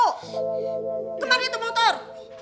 kemana itu motor